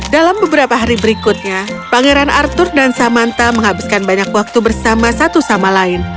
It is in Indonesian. dalam beberapa hari berikutnya pangeran arthur dan samanta menghabiskan banyak waktu bersama satu sama lain